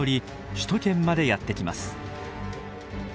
首都圏までやって来ます。